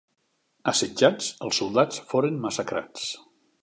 Assetjats, els soldats foren massacrats.